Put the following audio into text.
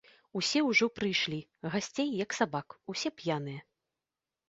Усе ўжо прыйшлі, гасцей, як сабак, усе п'яныя.